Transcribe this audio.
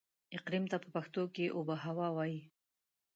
اقليم ته په پښتو کې اوبههوا وايي.